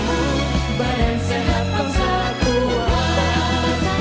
makanya kita harus berkata kata akan